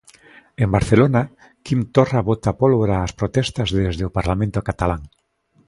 En Barcelona, Quim Torra bota pólvora ás protestas desde o Parlamento catalán.